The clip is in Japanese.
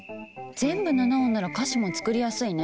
全部７音なら歌詞も作りやすいね。